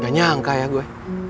gak nyangka ya gue